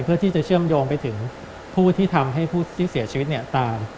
เพื่อที่จะเชื่อมโยงไปถึงผู้ที่ทำให้ผู้ที่เสียชีวิตตาม